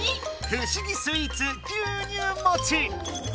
ふしぎスイーツ牛乳もち！